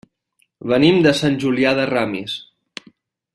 Venim de Sant Julià de Ramis.